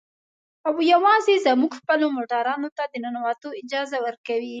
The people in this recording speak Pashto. او يوازې زموږ خپلو موټرانو ته د ننوتو اجازه ورکوي.